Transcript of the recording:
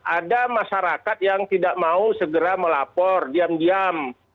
ada masyarakat yang tidak mau segera melapor diam diam